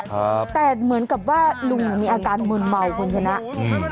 ครับแต่เหมือนกับว่าลุงมีอาการมืนเมาคุณชนะอืม